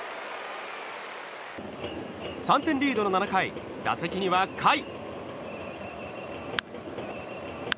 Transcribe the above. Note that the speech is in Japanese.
３点リードの７回打席には甲斐。